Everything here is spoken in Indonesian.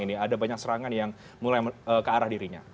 ini ada banyak serangan yang mulai ke arah dirinya